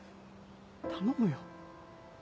頼むよ。